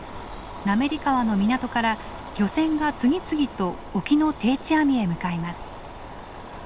滑川の港から漁船が次々と沖の定置網へ向かいます。